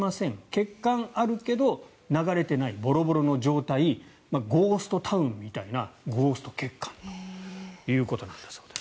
血管あるけど流れていない、ぼろぼろの状態ゴーストタウンみたいなゴースト血管ということなんだそうです。